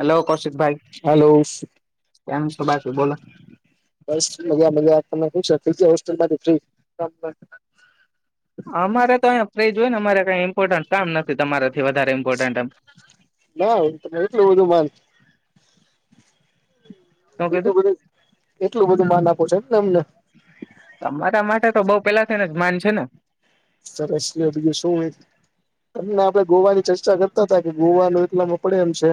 Hello Kaushik ભાઈ hello કેમ છો, બાકી બોલો બ મજા મજા, ત હોસ્ટેલ માંથી ફ્રી અમારે, તો અહીંયા ફઈજ હોય ને અરે કઈ,. કામ નથી, તમારાથી વધારે ઈમ્પોર્ટન ના તમે એટલું બધું માન શું કીધું બીજું બધું એટલું બધું માન આપો છો, એમને તમને તમારા માટે બઉ પેલા, ને જ માન છેને. સરસ બીજુ, શું હોય, તમને આપડે ગોવાની ચર્ચા કરતા હતા કે ગોવાનુ, એટલામાં પડે એમ છે,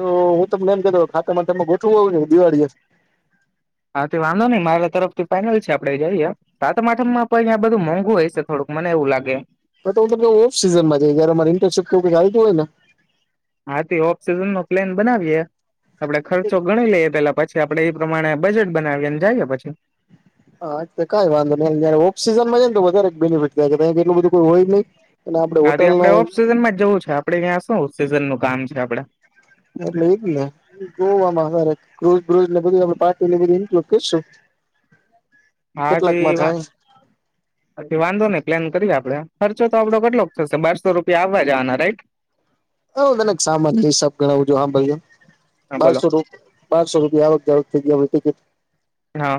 તો તમને એમ કતો ખાતા માં તમે ગોઠવુ, હોવું દિવાળી હા, તે વાંધો નઈ મારા તરફથી ફાઇનલ છે આપડે જઈએ સાતમાઠમમા પણ અહીયા બધું મોંઘું હોય છે. થોડુંક મને એવું લાગે બ હુ, ઓફ સીઝન માં જઈ જયમારે ઇન્ટરશિપ ચાલતું હોય, ને હાથી, ઓફ સિઝન નો પ્લેન બનાવીયે આપડે ખર્ચો ગણી લઈએ, પેલા પછી. આપડે એ પ્રમાણે, બજેટ બનાવીને જઈએ, પછી હા, કઈ વાંધો ન ઓફ સીઝનમાં છે. બેનિફિટ થાયટલું બધું કોઈ હોય નઈ અને આપડે હાથી, આપડે હોટલમાં ઓફ સિઝન માં જ જવું છે, આપડે ત્યાં શ સિઝન ન કામ છે, આપડે એટલે એજ ને ગવામાં ક્રોઝ, બ્રો ને બધું આપ્ટ બધ લ કેશું. હ હા, તે વાત પછી વાંધો નઈ, પ્લાન કરીએે આપડે ખર્ચો તો આપડો કેટલો થશે બાર સો રૂપિયા, આવવા જવાના રાઈટ હ, તનેક સામ્રી સબ ગણાવું જો હા, ભાઈ હા બોલો બારસો, બારસો રૂપિયા આવગ જારક થઈ ગયા ટિકિટ હા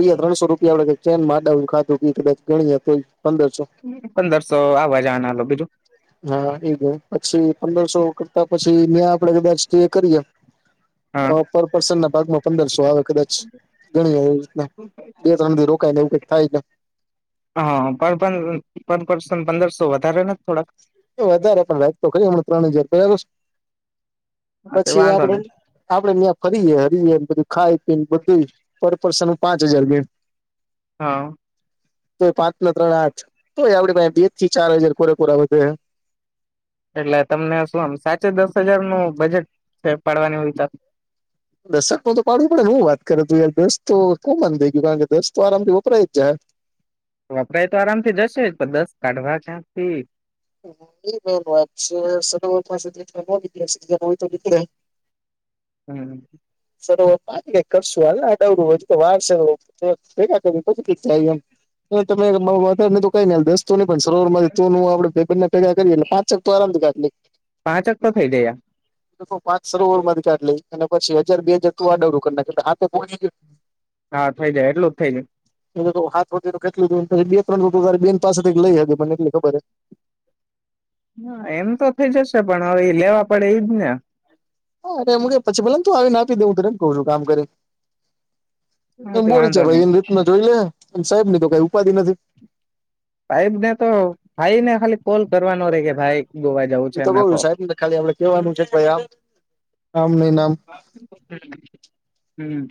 બીજા ત્રણસો રૂપિયા આપડે કે ચેન ખાધુ કદા ગણી પંદરસો, આવાજનાલો બીજું હા, એ જ પછી, પંદરસો કરતા પછી ન્યાં આપડે કદાચ કરીએ હા પર પર્સન, ના ભાગમાં પંદરસો આવે કદાચ ગણી એવી રીતના બે, ત્રણ દિવસ રોકાયને એવું કક થાય ને હા, પર પ્રસન્ન પંદરસો વધારે નથી. થોડાક એ, વધારે પણ રાત તો ખ હમણા ત્રણ હજાર પ હા તે પછી, વાંધો આપડે નઈ આપડે, ત્યાં ફરીએે હરીએ બધું ખાઈ પીને બધું પર પર્સન પાંચ હજાર, બે હા તો એ પાંચ ના ત્રણ આઠ તોય, આપડે બે થી ચાર હજાર પોરેપોરા હો એટલે, તમને શું આમ સાચે દસ હજાર નું બજેટ છે, પાડવાની વિચાર દશકમાં તો પાડું પડે હુ, વાત કરે તું યાર દસ તો કોમાન થઈ ગયુ, કારણ કે દસ તો આરામથી વપરાય જ જાય વપરાય, તો આરામથી જશે જ પણ દસ કાઢવા ક્યાંથી એ વાત છે, સર પાી તોી હમ સરર ક કરશુ, હાલ આ ડવરું, તો વાર ભેગા કર પછીી જાય એમ તમે વધ, ન કઈ દસ ન પણ સરોવર તે ગ પાંચક, પરાા પાંચક તો થઇ ગયા. પાંચ સર ઓવર થી કાઢ લઈ અને પછી, હજાર બે હજાર, તું આ ડવરું કર ના એટલે હાથે, પોડી ગય હા, થઇ જાય, એટલું જ થઇ જાય. હા, વધે તો કેટલું પછ, બે ત્રણ ર બેન પાસેથી જ લઈ. હ મને એટલી ખબર એમ તો થઇ જશે, પણ હવે એ લેવા પડે એજ ને હારે પછી, ભોને તું આવી ના આપી દે હું ત એમ કઉ છુ, કામ કરી એમ હથી બોલી છે, વાંધો ભાઈ નહી એની રીત ના જોઈ લે એમ સાહેબ ની તો કઈ ઉપાધિ નથી સાહેબ ને તો ભાઈ, ને ખાલી કોલ કરવાનો રે કે ભાઈ, ગોવા જવું છે. એ તો કઉ છું નાખો સાહેબ ને ખાલી આપડે કેવાનું છે કે ભાઈ આમ આમ નઈ ને આમ હમ્મ.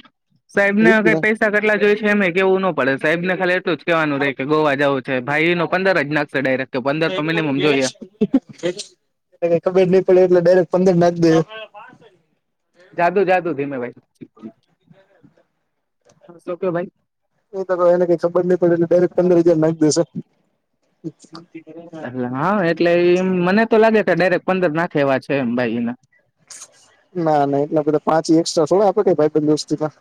સાહેબ ને કઈ પૈસા કેટલા જોઈ છે, એમે કેવું ના પડે સાહેબ ને ખાલી એટલું જ કેહેવાનું રહે, કે ગોવા જવું છે. ભાઈ, નોંધંદ રજનાક છે, ડાયરેક્ટ પંદર તો કબજ મિનિમમ જોઈએ નહી, પડે એટલે ડરેક્ટ પંદર નાખ પાડી જાદુ, જાદુ ધીમે ભાઈ. હા, શો કે ભાઈ. એ તો એને કઈ ખબર નહી, પડે એટલે ડાયરેક્ટ પંદર હજાર, નાગી દેશે હા એટલે એમ મને તો લાગે કે ડાયરેક્ટ પંદર નાખેવા છે એમ ભાઈ એના. ના ના એટલા બધા પાંચ એકક્સ્ટ્રા થોડ આપે કે ભાઈબંધ દોસ્તી માં.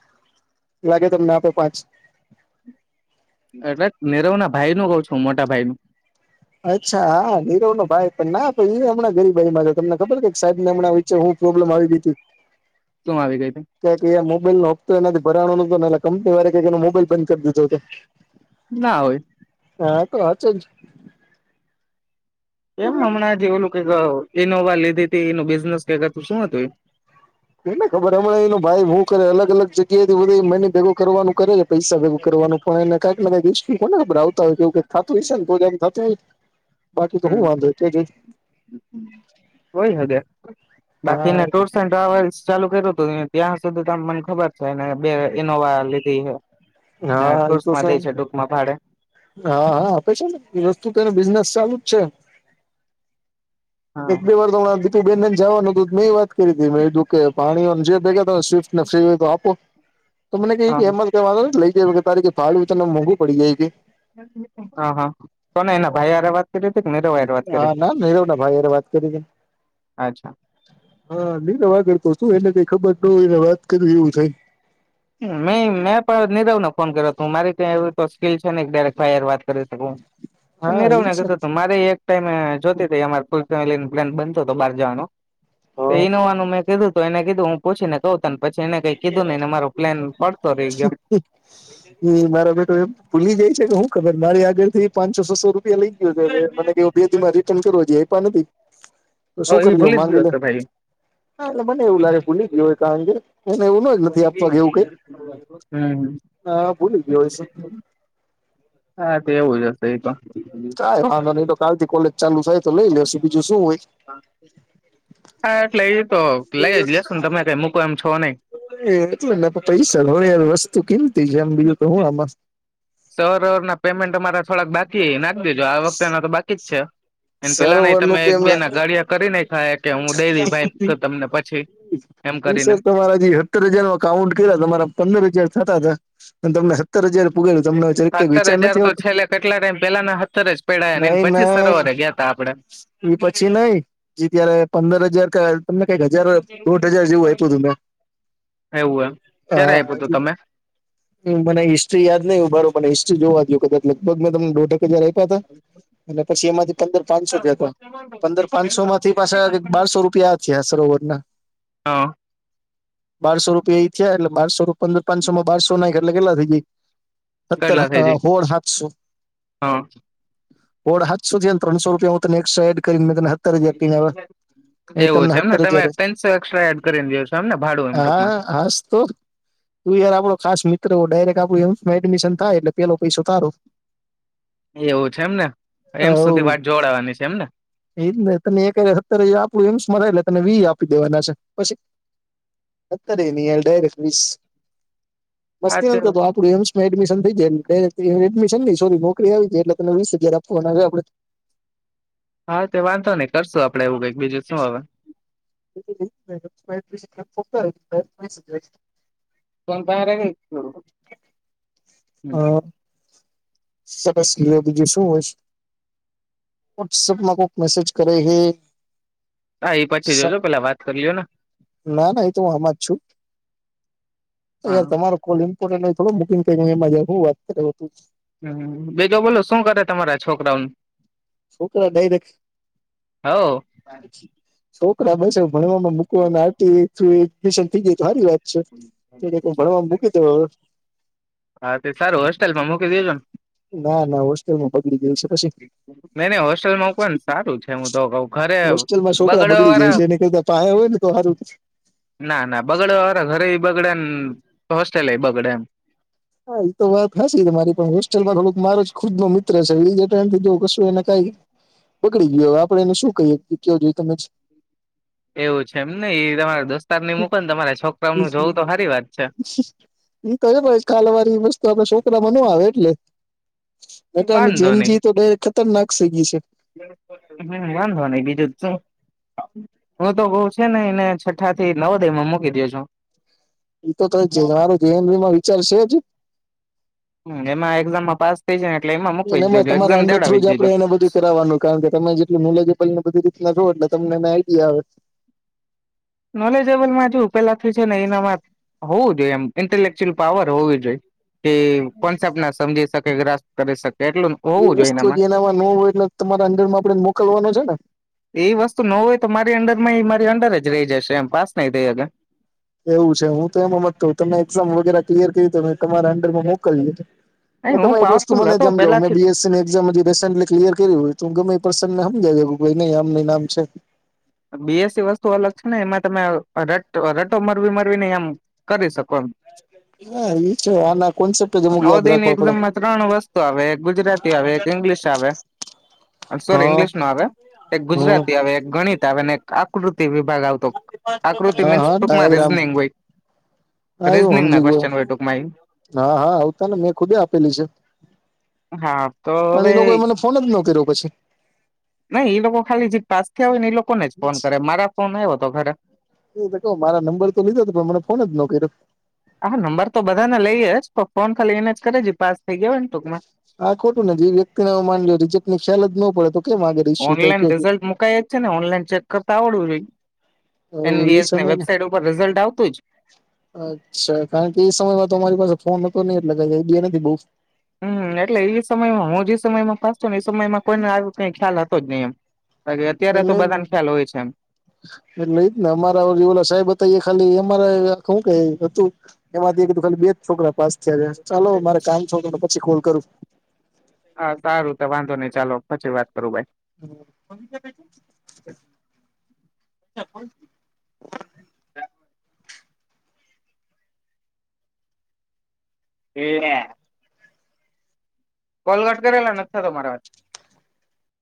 લાગે તમને આપે પાંચ. એટલે નીરવ ના ભાઈ નું કઉ છું મોટા ભાઈ નું. અચ્છા હા નીરવ નો ભાઈ પણ ના એ હમણાં ગરીબાઈ માં છે તમને ખબર છે સાહેબ ને હમણા વચ્ચે હું પ્રોબ્લેમ આવી ગીતી. ચમ આવી. ગઈ હતી ક મોબાઈલ નો હપ્તો એ એમનાથી ભરણો ન ન ન ન કંપની વારા કેકે એનો મોબાઈલ બંધ કર દીધો તો. ના હોય હા તો હાચો જ એમ હમણાં જે ઓલું ક અ ઇનોવા લીધી તી એનું બિઝનેસ કંઈક હતું શું હતું ઈ. એને ખબર હમણાં એનો ભાઈ હું કરે અલગ અલગ જગ્યાએથી બધી મની ભેગું કરવાનું કરે છે. પૈસા ભેવું કરવાનું પણ એને કાઈક ને કંઈક ઇસ ઈ કોના પર આવતા હોય કંઈક થાતું હઈસે ને કોઈક એમ થાતું હોય બાકી તો હું હમ વાંધોય કેજે કોય હદે હા બાકીને ટુર્સ એન્ડ ટ્રાવેલ્સ ચાલુ [inaudible] ત્યાં સુધી ત મને ખબર છે એને બે ઇનોવા લીધી હે. ના હા એ ટુર્સ તો માંટે છે ટૂંકમાં ભાડે. હા હા આપે છે ન વસ્તુ તેને બિઝનેસ ચાલુ જ છે. હા એક બે વાર તો હું આ દીપી બેન ને જવાનું તું મે એ વાત કરી તી મેં કીધું કે ભાણિયો ને જે ભેગા થા સ્વિફ્ટને ફ્રી હોય તો આપો. તો મને કે હા ઈકે હા અમાર કાઇ વાંધો નથ લઈ જવી કે તારી કે ભાડું તને મોંઘું પડી જાય કે. હા હ કોને એના ભાઈ હારે વાત કરી. હતી કે નીરવ હારે વાત કરી હા હતી ના નૈરવ ના ભાઈ હારે વાત કરી તી. હા નહી વા કરતો શું એને કઈ ખબર ન હોયને વાત કરિ એવું થાય. મે મેં પણ નીરવને ફોન કર્યો તું મારી ત્યાં એવું તો સ્કીલ છે ન ડાયરેક ફાયર વા [unintelligible] હા નિરવ એ છે કીધું તું મારે એક જોતી તી અમાર ફૂલ ફેમિલી પ્લાન બનતો તો બાર જવાનો હા ઈનોવાનું મેં કીધું તો એને કીધું હું પૂછીને કઉ તન પછી એને કઈ કીધું ને ને મારુ હ હ હમ્મ મારો બેટો એમ ભૂલી જાય છે કે હું. ખબર મારી આગળ થી પાચસો છ સો રૂ પિયા લઈ ગયો મને કે બે રિટર્ન કરુ હજી અયપા નથી. હ શું એ કરી લો ભૂલી જ માંગી ગયો લે હશે ભાઈ. હા એટલે મને એવું લાગે ભૂલી ગ્યો કારણ કે એને એવું ન નથી આપવા કે એવું કઈ હમ્મ. હા ભૂલી ગ્યો હશે. હા તો એવું જ હશે એ તો. કાઈ વાંધો નહી તો કાલથી કોલેજ ચાલુ થાય તો લઈ લેશ બીજું શું હોય. હા એટલે ઈતો લઈ જ લેશું ને તમે કઈ મૂકો એમ છો નહી. એ એટલે નેે પૈસા હોય વસ્તુ કિમતી છે એમ બીજું તો હું આમાં સવાર હવાર ના પેમેન્ટ અમારા થોડાક બાકી એના કરીજો આ વખતેના તો બાકી જ છે એ પેલા ને સરોવર નું તમે એક બે પેમેન્ટ ના ગાડિયા કરી નઈ થાય કે હું દઈ દઈ ભાઈ તમને પછી. એમ એ કરીને સર તમારા જે સત્તર હજાર નો કાઉન્ટ કર્યા તમારા પંદર હજાર થતા હતા અને તમને હત્તર પુરા સત્તર હજાર તો છેલ્લે કેટલા ટાઇમ પેલા ના સત્તર જ પડા એ નહી પછી સરોવરે નહી ગ્યા તા આપડે. એ પછી નઈ જે ત્યારે પંદર હજાર ક તમને કઈક હજાર દોઢ હજાર જેવું આપ્યું તું મેં. એવું એમ ક્યારે હા. આપ્યું તું તમે હમ્મ મને હિસ્ટ્રી યાદ નહીં ઉભારો મને હિસ્ટ્રી જોવા દયું કદાચ લગભગ મે તમ દોઢ એક હજાર. આપ્યા તા અને પછી એમાંથી પંદર પાંચસો પંદર પાંચસો માંથી પાછા બારસો રૂપિયા થ્યી આ સરોવર ના. હા બારસો રૂપિયા ઈ થયા એટલે બારસો રૂપ પંદર પાંચસો માં બારસો નાયખ એટલે કેટલા થાય ઈ બેય? સતર કેટલા થઈ જાય હોળ સાતસો. હા હોડ હાતસો થ્યાં ને ત્રણસો રૂપિયા હું તને એકસ્ટ્રા એડ કરીને, મે તને હતર હજાર તીન આવ્યાં. મે એવું તમને છે એમને હતર તમે હજાર ત્રણસો એક્સ્ટ્રા એડ કરીને દો છો એમને ભાડું [unintelligible] એમ ટૂંકમાં હા હાસ તો તું યાર આપડો ખાસ મિત્ર ડાયરેક્ટ આપણું યંગ એડમિશન થાય, એટલે પેલો પૈસો તારો. એવું છે એમને એમ સુધી વાત જોડાવાની છે એમને ઈ જ ને તને એક હારે સત્તર હજાર આપણું એમ્સમાંટલે તને વી આપી દેવાના છે. પછી? હતરેય નહી હાલ ડાયરેક વીસ હા મસ્તી તે નથ કરતો, આપડું એમ એડમિશન થઈ જાય ડાયરેક્ટ એડમિશન નઈ સોરી એ આવી જાય, એટલે તને વીસ હજાર આપવાના રે આપડે. હા તે વાંધો નઈ, કરશું આપડે એવું કઈક બીજું શું હવે? [unintelligible] એડમિશન પણ તારે હંઅં હા સરસ લે બીજું શું હોય છે? વોટ્સઅપમાં કોઈક મેસેજ કરે છે. હા એ પછી સક જોજો પેલા વાત કરી લ્યો ને ના ના એ તો હું આમાં જ છું. હા યાર તમારો કોલ ઇમ્પોર્ટન્ટ હોય થોડો મુકી ને કરી એમાં જવ? હું વાત કરો? હમ બીજો બોલો શું કરે તમારા છોકરાઓનું? છોકરા ડાયરેક્ટ, હવ છોક ભણવામાં મુકવાના આથી મિશન થઈ જાય તો સારી વાત છે. એ ને તૌ હું ભણવાવા મૂકી દેવાનો છ. હા તે સારુ હોસ્ટેલ્માં મુકી દેજો ને ના ના હોસ્ટેલમાં બગડી જાય. નઈ નને હોસ્ટેલ મકવાનું સારું છે. હું તો કઉ ઘરે હોસ્ટેલમાં છોકરા બગડવા બગડી જાય વાળા છે એની કરતા પાહે હોય ને તો હારું. ના ના બગડવા વારા ઘરે એ બગડે ને હોસ્ટેલ એ બગડે એમ હા એ તો વાત હાસી તમારી પણ હોસ્ટલમાં થોક મારો જ ખુદ નો મિત્ર છે એ જ એમ કીધુ એને કઈ બગડી ગયયો આપણે એને શું કહીએ કેયો જોઈ તમે? એવું છે એમ નઈ તમારા દોસ્તાર ની મૂંકો ને તમારા છોકરાઓનું જોવું તો સારી વાત છે. એ તો એમ જ કાલ હવારે ઈ વસ્તુ આપણે છોકરામાં નો આવે એટલે. પોતાની વાંધો નહી જેનજી તો ડાયરેક ખતરનાક થઈ ગઈ છે. વાંધો નહી બીજું જ તો શું? હું તો બઉ છે ને એને છઠ્ઠા થી નવોદયમાં મૂકી દયો છું. એતો મારો [inaudible] [inaudible] જનરીમાં વિચાર છે જ એમાં એક્ઝામમાં પાસ થાય જાય ને એટલે એમાં મૂકવી જ ના જોજો તમારા એક્ઝામ અંડર થ્રુ દેવડાવી જ દેજો આપડે એને બધું કરાવવાનું કારણ કે તમે જેટલી નોલેજેબલ એને બધી જો એટલે તમનેને આઈડિયા આવે. નોલેજેબલમાં જૌ પેલા થી છે ને એનામાં હોવું જોઈએ એમ ઇન્ટલેકચ્યુઅલ પાવર હોવી જોઈએ. કે કોસેપ્ટ ના સમજી શકે, ગ્રાસ કરી શકે. એટલું એ હોવું જોઈએ વસ્તુ જે એનામાં ન હોય એટલે તમારા અંંદરમાં આપણે મોકલવાનો છે ને એ વસ્તુ ન હોય તો મારી અંંદર માં એ મારી અંદર જ રહી જશે, એમ પાસ નહી થઈ અકે એવું છે, હું તો એમ હમજ તો કે તમે એક્ઝામ વગેરે ક્લિયર કરી મે તમારા અંડરમાં મોકલી એ નહી તમે હું એક વસ્તુ પાવરફુલ મને હતો સમજાવ મેં પેલાથી બીએસસીની એક્ઝામ હજી રિસેન્ટલી ક્લિયર કર્યું તો ગમે ઈ પરસન ને [inaudible] નઈ આમની આમ છે. બી એસી વસ્તુ અલગ છે ને એમાં તમે રટ રટો મરવી મરવીને એમ કરી શકો હા એ છે આના કોન્સેપ્ટ જ પણ [unintelligible] અમુક યાદ નવોદયની રાખવા પડે એઝામમાં ત્રણ વસ્તુ આવે એક ગુજરાત ગુજરાતી આવે, એક ઇંગ્લિશ આવે, સોરી હા ઇંગ્લિશ નો આવે, હમ ગુજરાતી આવે, એક ગણિત એક આકૃતિ વિભાગ આવતો. આકૃતિ હા, મીન્સ હા ટૂંકમાં ટાયગ્રામ રીઝનિંગ હોય હ, એું રીઝનિંગ ના સમજી ગયો, ક્વેશ્ચન હોય ટૂંકમાં ઈ. હા હા આવતા ને મેં ખુદે આપેલી છે. હા તો પણ એ લોકોએ હવે મને ફોન જ ન કર્યો, પછી. નઈ ઈ લોકો ખાલી જે પાસ હોય, ને એ લોકોને જ ફોન કરે મારા ફોન એ એ તો કહ, મારા નંબર તો લીધો હતો પણ મને ફોન જ ન કર્યો. હા, નંબર તો બધા ને લઈએે જ પણ ફોન ખાલી એને જ કરે છે, પાસ થઈ ગયો હોય ને ટૂકમા હા, ખોટું ને જે વ્યક્તિને હ માન રીજક ની ખ્યાલ જ ન પડે તો કેમ આગળ ઇસ્યુ થાય ઓનલાઈન કયો રિઝલ્ટ મુકાય જ છેને, ઓનલાઈન ચેક કરતા આવડવું જોઈ. એવું એ એનવીએસને સમય ને વેબસાઇટ, ઉપર રિઝલ્ટ આપ અચ્છા કારણ, કે એ સમયમાં તો અમારી પાસે ફોન ન એ લગાવું બે નથી, બઉ હમ એટલે એ સમયમાં હુ, જે સમય માં ફચું ને એ સમયમાં કોઈને આવ કઈ, ખ્યાલ હતો જ નહીિ એમ બાકી એ અત્યારે તો નઈ, બધાને ખ્યાલ હોય છે એમ એ લઈ જ ને અમારાવા સાહેબ બતા ખાલી રેું ક હતુ, એમાંથી ખાલી બે છોકરા, પાસ થયા જ ચાલો મારે કામ છો તોને પછી કોલ કરુ હા સારું તો વાંધો નઈ ચાલો પછી, વાત કરો ભાઈ છે, કો એરા કોલગટ કરેલા નથીતા, તમારા વાત